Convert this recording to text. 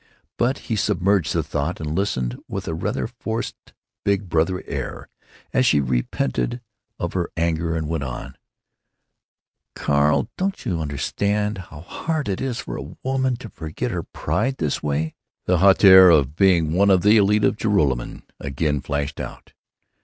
But he submerged the thought and listened with a rather forced big brother air as she repented of her anger and went on: "Carl, don't you understand how hard it is for a woman to forget her pride this way?" The hauteur of being one of the élite of Joralemon again flashed out.